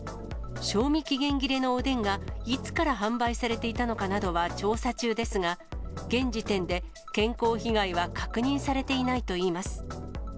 賞味期限切れのおでんが、いつから販売されていたのかなどは調査中ですが、現時点で、健康被害は確認されていないといいます。